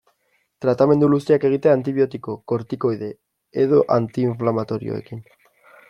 Tratamendu luzeak egitea antibiotiko, kortikoide edo anti-inflamatorioekin.